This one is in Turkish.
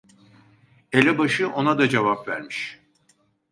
Elebaşı ona da cevap vermiş: